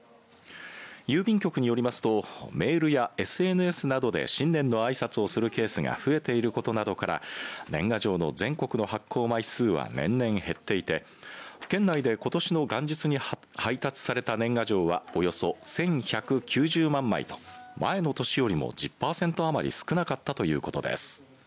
郵便局によりますとメールやＳＮＳなどで新年のあいさつをするケースが増えていることなどから年賀状の全国の発行枚数は年々、減っていて県内で、ことしの元日に配達された年賀状はおよそ１１９０万枚と前の年よりも１０パーセント余り少なかったということです。